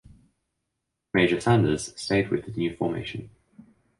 Major Sanders stayed with the new formation.